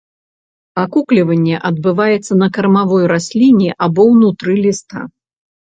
Акукліванне адбываецца на кармавой расліне або ўнутры ліста.